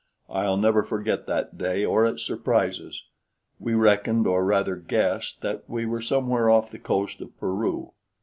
I'll never forget that day or its surprises. We reckoned, or rather guessed, that we were somewhere off the coast of Peru.